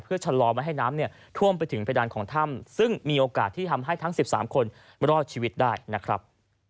เพื่อชะลอไม่ให้น้ำเนี่ยท่วมไปถึงเพดานของถ้ำซึ่งมีโอกาสที่ทำให้ทั้ง๑๓คนรอดชีวิตได้นะครับ